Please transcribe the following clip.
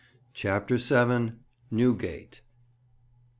CHAPTER VII. NEWGATE.